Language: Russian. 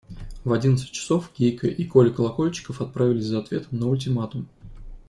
В одиннадцать часов Гейка и Коля Колокольчиков отправились за ответом на ультиматум.